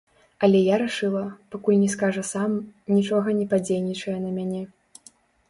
Але я рашыла, пакуль не скажа сам, нічога не падзейнічае на мяне.